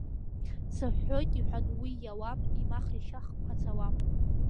Сыҳәҳәоит, — иҳәан уи иауам, Имах-ишьах қәацауам.